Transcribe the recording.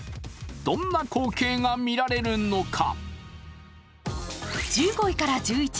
どんな光景が見られるのか。